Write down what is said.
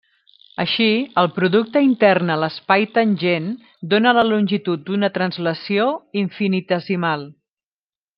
Així, el producte intern a l'espai tangent dona la longitud d'una translació infinitesimal.